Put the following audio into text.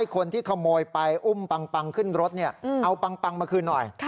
คนที่ขโมยไปอุ้มปังขึ้นรถเอาปังมาคืนหน่อย